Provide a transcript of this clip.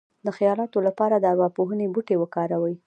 د خیالاتو لپاره د ارواپوهنې بوټي وکاروئ